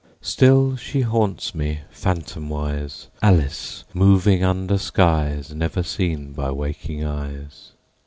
Still she haunts me, phantomwise, Alice moving under skies Never seen by waking eyes.